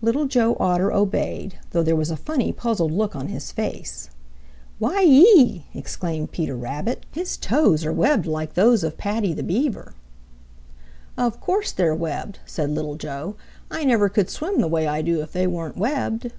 Little Joe Otter obeyed, though there was a funny, puzzled look on his face. "Whyee!" exclaimed Peter Rabbit. "His toes are webbed like those of Paddy the Beaver!" "Of course they're webbed," said Little Joe. "I never could swim the way I do if they weren't webbed."